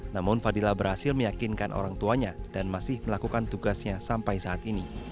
namun fadilah berhasil meyakinkan orang tuanya dan masih melakukan tugasnya sampai saat ini